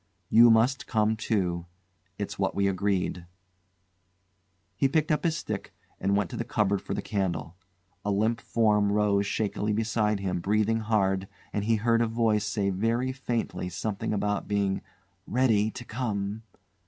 You must come too. It's what we agreed." He picked up his stick and went to the cupboard for the candle. A limp form rose shakily beside him breathing hard, and he heard a voice say very faintly something about being "ready to come."